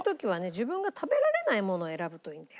自分が食べられないものを選ぶといいんだよ。